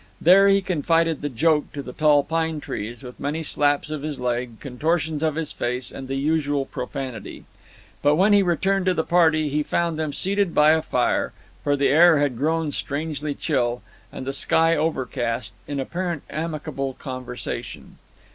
There he confided the joke to the tall pine trees, with many slaps of his leg, contortions of his face, and the usual profanity. But when he returned to the party, he found them seated by a fire for the air had grown strangely chill and the sky overcast in apparently amicable conversation.